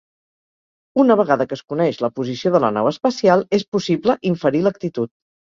Una vegada que es coneix la posició de la nau espacial és possible inferir l'actitud.